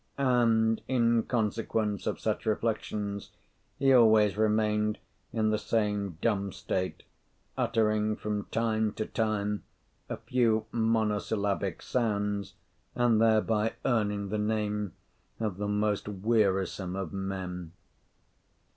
And in consequence of such reflections he always remained in the same dumb state, uttering from time to time a few monosyllabic sounds, and thereby earning the name of the most wearisome of men.